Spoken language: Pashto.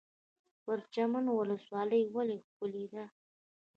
پرچمن ولسوالۍ ولې ښکلې ده؟